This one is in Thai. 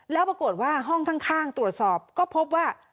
แล้วปรากฏว่าห้องข้างตรวจสอบก็พบว่า